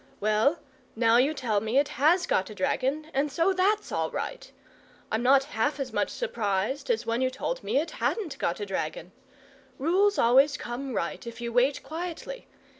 Well, now you tell me it HAS got a dragon, and so THAT'S all right. I'm not half as much surprised as when you told me it HADN'T got a dragon. Rules always come right if you wait quietly.